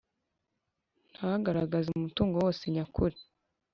Ntagaragaze umutungo wose nyakuri